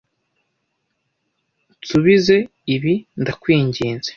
Nsubize ibi, ndakwinginze.